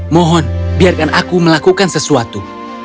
mohon biarkan aku melakukan sesuatu